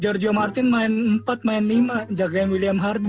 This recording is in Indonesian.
georgia martin main empat main lima jagain william hardy